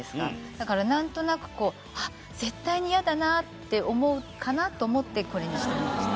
だからなんとなくこう絶対に嫌だなって思うかなと思ってこれにしてみました。